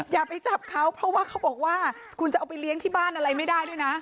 อย่าไปจับเขาเพราะว่าเขาบอกว่าคุณจะเอาไปเลี้ยงที่บ้านอะไรไม่ได้ด้วยนะ